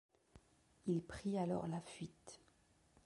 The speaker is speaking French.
Il prit alors la fuite.